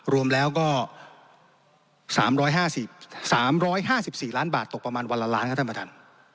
รวมแล้วก็๓๕๔ล้านบาทตกประมาณวันละล้าน